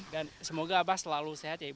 dan semoga abah selalu sehat